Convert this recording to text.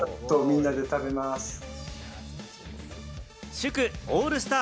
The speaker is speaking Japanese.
祝オールスター